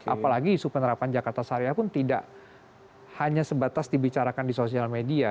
apalagi isu penerapan jakarta syariah pun tidak hanya sebatas dibicarakan di sosial media